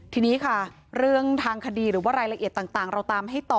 ทีนี้ค่ะเรื่องทางคดีหรือว่ารายละเอียดต่างเราตามให้ต่อ